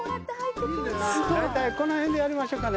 大体この辺でやりましょうかね。